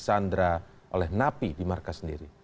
disandra oleh napi di markas sendiri